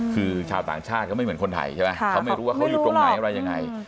คือชาวต่างชาติเขาไม่เหมือนคนไทยใช่ไหมเขาไม่รู้ว่าเขาอยู่ตรงไหนอะไรยังไง